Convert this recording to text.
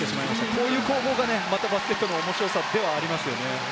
こういうところがバスケットの面白さではありますね。